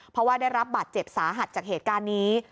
เพราะว่าได้รับบาดเจ็บสาหัสจากเหตุการณ์นี้